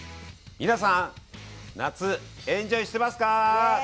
皆さん夏エンジョイしてますか？